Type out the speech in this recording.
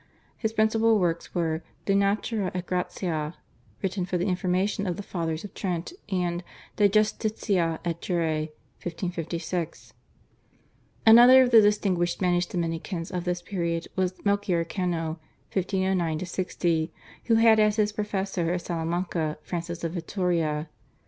His principal works were /De Natura et Gratia/, written for the information of the Fathers of Trent and /De Justitia et Jure/ (1556). Another of the distinguished Spanish Dominicans of this period was /Melchior Cano/ (1509 60), who had as his professor at Salamanca Francis of Vittoria.